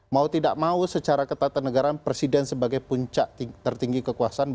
mau tidak mau secara ketatanegaraan presiden sebagai puncak tertinggi kekuasaan